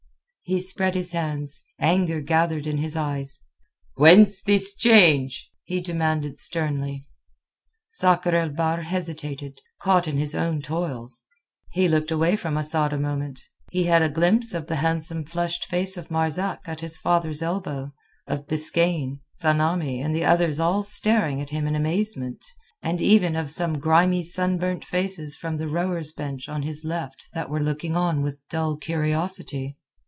He spread his hands, anger gathered in his eyes. "Whence this change?" he demanded sternly. Sakr el Bahr hesitated, caught in his own toils. He looked away from Asad a moment; he had a glimpse of the handsome flushed face of Marzak at his father's elbow, of Biskaine, Tsamanni, and the others all staring at him in amazement, and even of some grimy sunburned faces from the rowers' bench on his left that were looking on with dull curiosity.